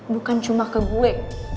bukan cuma ke gue